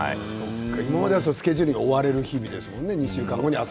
今までスケジュールに追われる日々ですね。